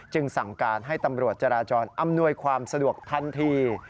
สั่งการให้ตำรวจจราจรอำนวยความสะดวกทันที